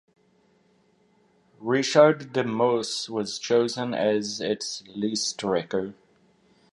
Richard de Mos was chosen as its "lijsttrekker".